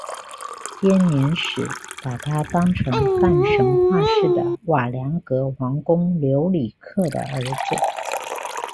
编年史把他当成半神话式的瓦良格王公留里克的儿子。